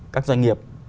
các doanh nghiệp